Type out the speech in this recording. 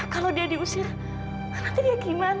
kalau dia diusir nanti dia bagaimana